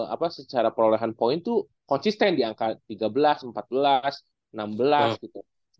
apa secara perolehan poin tuh konsisten di angka tiga belas empat belas enam belas gitu